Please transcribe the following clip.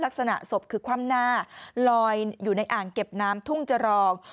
ศพคือคว่ำหน้าลอยอยู่ในอ่างเก็บน้ำทุ่งจรอง